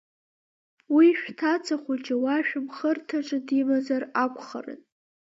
Уи шәҭаца хәыҷы уа шәымхырҭаҿы димазар акәхарын…